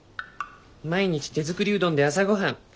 「毎日手づくりうどんで朝ごはん。